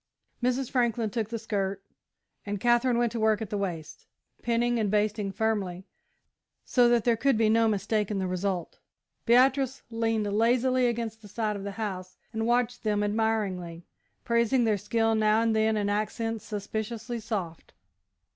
Mrs. Franklin took the skirt and Katherine went to work at the waist, pinning and basting firmly, so that there could be no mistake in the result. Beatrice leaned lazily against the side of the house and watched them admiringly, praising their skill now and then in accents suspiciously soft.